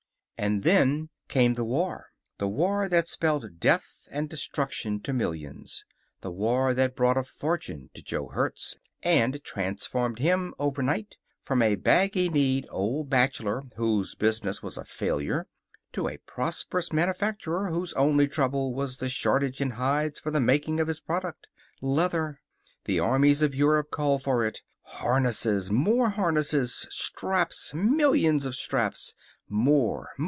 And then came the war. The war that spelled death and destruction to millions. The war that brought a fortune to Jo Hertz, and transformed him, overnight, from a baggy kneed old bachelor whose business was a failure to a prosperous manufacturer whose only trouble was the shortage in hides for the making of his product. Leather! The armies of Europe called for it. Harnesses! More harnesses! Straps! Millions of straps. More!